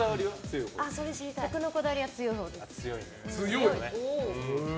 食のこだわりは強いほうです。